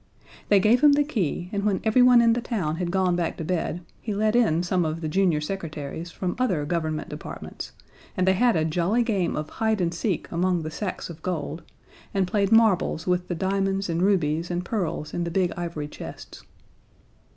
They gave him the key, and when everyone in the town had gone back to bed he let in some of the junior secretaries from other Government departments, and they had a jolly game of hide and seek among the sacks of gold, and played marbles with the diamonds and rubies and pearls in the big ivory chests.